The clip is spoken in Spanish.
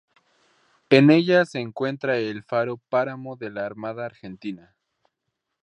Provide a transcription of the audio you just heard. En ella se encuentra el Faro Páramo de la Armada Argentina.